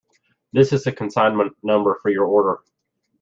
This is the consignment number for your order.